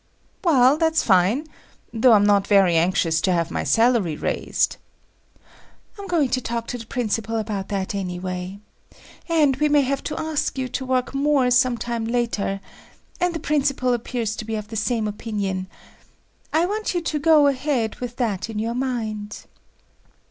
"Well, that's fine, though I'm not very anxious to have my salary raised." "I'm going to talk to the principal about that anyway. And, we may have to ask you to work more some time later …… and the principal appears to be of the same opinion……. I want you to go[I] ahead with that in your mind."